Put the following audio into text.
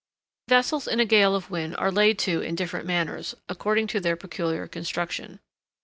Vessels in a gale of wind are laid to in different manners, according to their peculiar construction.